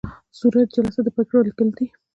صورت جلسه د پریکړو لیکل دي